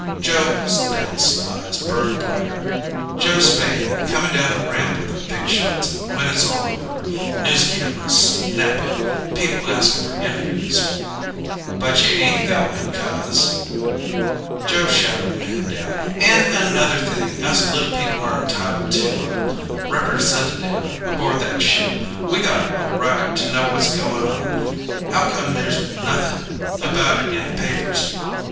Joe Spain's eyes burned brighter. "Joe Spain, coming down the ramp with the big shots when it's all over. News cameras snapping! People asking for interviews!" "But you ain't going 'cause " Joe shouted the man down. "And another thing. Us little people are entitled to a representative aboard that ship. We got a right to know what's going on. How come there's nothing about it in the papers?